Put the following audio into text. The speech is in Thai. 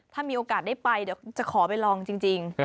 ถ้ามีโอกาสได้ไปเดี๋ยวจะขอไปลองจริง